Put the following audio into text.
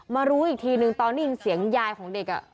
รู้อีกทีนึงตอนได้ยินเสียงยายของเด็ก